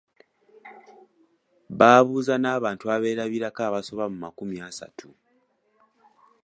Baabuuza n’abantu abeerabirako abasoba mu makumi asatu.